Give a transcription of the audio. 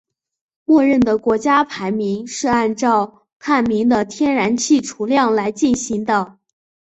默认的国家排名是按照探明的天然气储量来进行的。